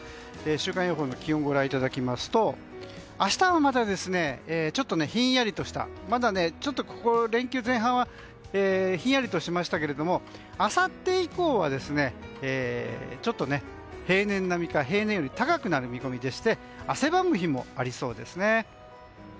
週間予報の気温をご覧いただきますと明日もまた、ひんやりとしたまだ連休前半はひんやりとしましたがあさって以降は平年並みか平年より高くなる見込みで汗ばむ日もありそうですね。